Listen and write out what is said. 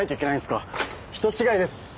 人違いです。